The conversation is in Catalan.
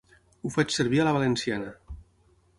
Ho faig servir a la valenciana.